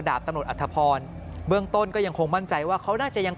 ตำรวจอัธพรเบื้องต้นก็ยังคงมั่นใจว่าเขาน่าจะยัง